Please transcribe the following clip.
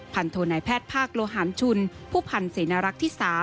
พันธุนายแพทย์ภาคโลหารชุนผู้พันศรีนรักที่๓